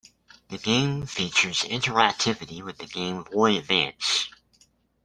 The game features interactivity with the Game Boy Advance.